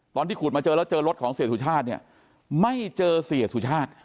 ขูดมาเจอแล้วเจอรถของเสียสุชาติเนี่ยไม่เจอเสียสุชาติ